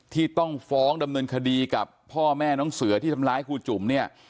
ที่ต้องฟ้องดำเนินคดีกับพ่อแม่น้องเสือที่ทำร้ายครูจุ๋มเนี่ย